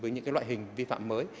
để có những hình vi phạm mới